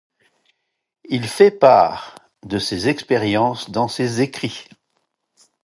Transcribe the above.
Il fait part de ses expériences dans ses écrits.